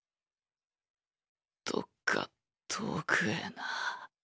どっか遠くへなぁ。